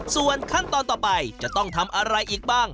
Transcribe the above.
ส่วนขั้นตอนต่อไปจะต้องทำอะไรอีกบ้าง